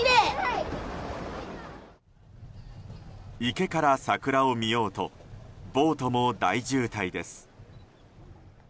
池から桜を見ようとボートも大渋滞です。